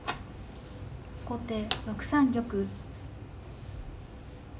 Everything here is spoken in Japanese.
後手６三玉。